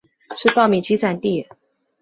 是稻米集散地。